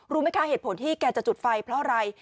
รู้ไหมคะเหตุผลที่แกจะจุดไฟเพราะอะไร